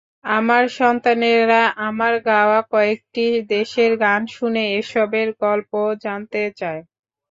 আমার সন্তানেরা আমার গাওয়া কয়েকটি দেশের গান শুনে এসবের গল্প জানতে চায়।